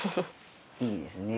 いいですね。